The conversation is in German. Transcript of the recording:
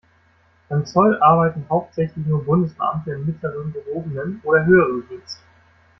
Beim Zoll arbeiten hauptsächlich nur Bundesbeamte im mittleren, gehobenen oder höheren Dienst.